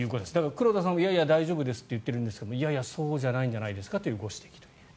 黒田さんはいやいや大丈夫ですと言っているんですがいやいや、そうじゃないんじゃないですかという指摘。